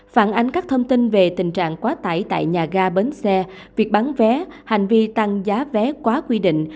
phản ánh các thông tin về tình trạng quá tải tại nhà ga bến xe việc bán vé hành vi tăng giá vé quá quy định